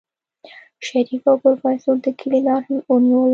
شريف او پروفيسر د کلي لار ونيوله.